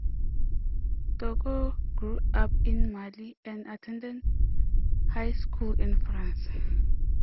Toko grew up in Mali and attended high school in France.